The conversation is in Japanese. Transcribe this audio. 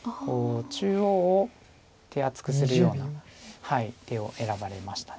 中央を手厚くするような手を選ばれました。